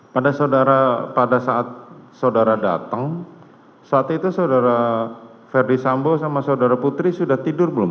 pada saat saudara datang saat itu saudara ferdi sambo sama saudara putri sudah tidur belum